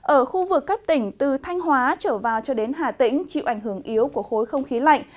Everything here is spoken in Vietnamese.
ở khu vực các tỉnh từ thanh hóa trở vào cho đến hà tĩnh chịu ảnh hưởng yếu của khối không khí lạnh